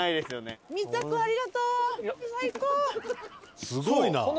すごいな。